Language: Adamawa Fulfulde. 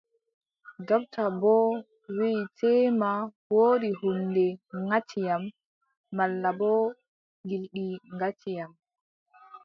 Dopta boo wii teema woodi huunde ŋati yam, malla boo gilɗi gati yam.